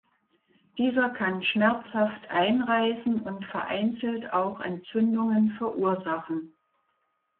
Dieser kann schmerzhaft einreißen und vereinzelt auch Entzündungen verursachen.